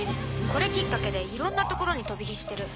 これきっかけでいろんな所に飛び火してる。